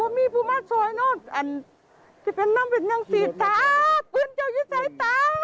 ถ้าไม่มีผู้มาช่วยโน้นอันที่เป็นน้ำเป็นอย่างสีตาปืนเจ้าอยู่ใส่ตา